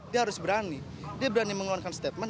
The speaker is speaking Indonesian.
dia harus berani dia berani mengeluarkan statement